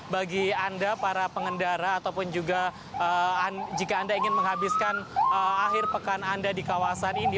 bagi anda para pengendara ataupun juga jika anda ingin menghabiskan akhir pekan anda di kawasan ini